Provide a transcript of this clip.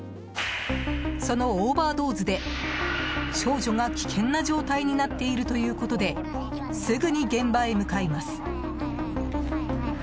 そのオーバードーズで少女が危険な状態になっているということですぐに現場へ向かいます。